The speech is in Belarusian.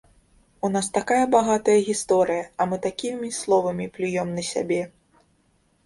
У нас такая багатая гісторыя, а мы такімі словамі плюём на сябе!